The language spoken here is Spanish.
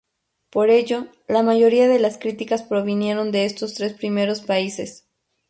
Por ello, la mayoría de las críticas provinieron de estos tres primeros países.